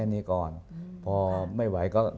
อเรนนี่แหละอเรนนี่แหละ